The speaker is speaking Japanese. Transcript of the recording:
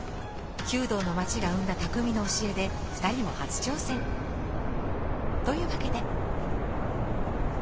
弓道の町が生んだ匠の教えで２人も初挑戦。というわけで。